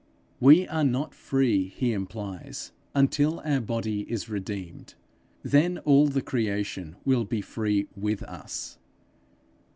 We are not free, he implies, until our body is redeemed; then all the creation will be free with us.